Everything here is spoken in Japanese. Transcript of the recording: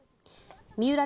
三浦